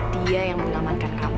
dia yang menyelamatkan kamu